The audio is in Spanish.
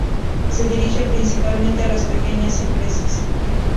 Se dirige principalmente a las pequeñas empresas.